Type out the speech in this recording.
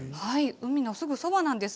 海のそばなんです。